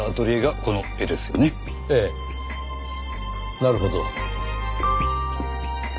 なるほど。